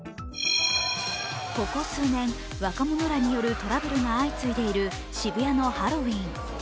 ここ数年、若者らによるトラブルが相次いでいる渋谷のハロウィーン。